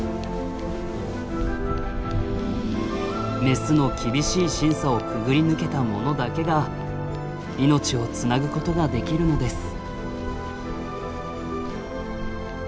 メスの厳しい審査をくぐり抜けたものだけが命をつなぐことができるのです。